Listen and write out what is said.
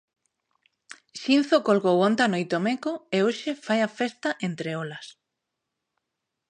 Xinzo colgou onte á noite o Meco e hoxe fai a festa entre olas.